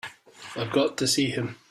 I've got to see him.